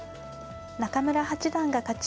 中村八段が勝ち